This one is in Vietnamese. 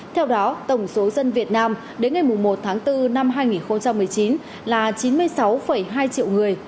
theo đó tổng số dân việt nam đến ngày một tháng bốn năm hai nghìn một mươi chín là chín mươi sáu hai triệu người